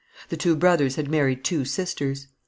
The two brothers had married two sisters.